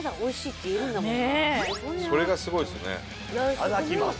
いただきます。